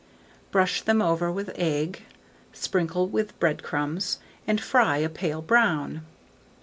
Brush these over with egg, sprinkle with bread crumbs, and fry a pale brown.